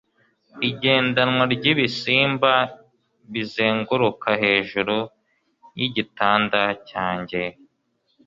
igendanwa ryibisimba bizenguruka hejuru yigitanda cyanjye